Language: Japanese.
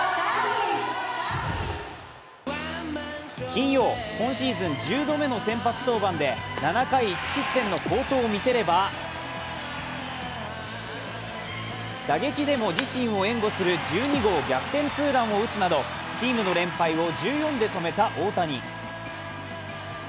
金曜、今シーズン１０度目の先発登板で７回１失点の好投を見せれば、打撃でも自身を援護する１２号逆転ツーランを打つなどチームの連敗を１４で止めた大谷。